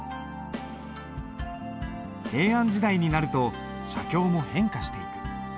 平安時代になると写経も変化していく。